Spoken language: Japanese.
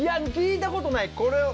聞いたことない！